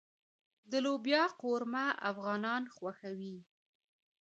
د لوبیا قورمه افغانان خوښوي.